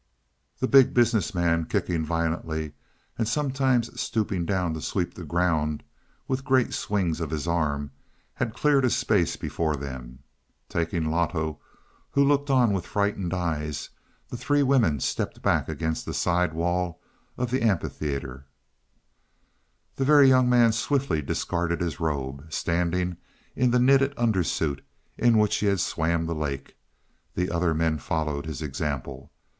The Big Business Man, kicking violently, and sometimes stooping down to sweep the ground with great swings of his arm, had cleared a space before them. Taking Loto, who looked on with frightened eyes, the three women stepped back against the side wall of the amphitheater. The Very Young Man swiftly discarded his robe, standing in the knitted under suit in which he had swam the lake; the other men followed his example.